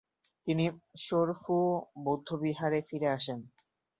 তিনি ম্ত্শুর-ফু বৌদ্ধবিহারে ফিরে আসেন।